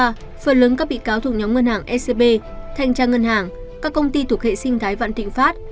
phần lớn các bị cáo thuộc nhóm ngân hàng scb thanh tra ngân hàng các công ty thuộc hệ sinh thái vạn tịnh phát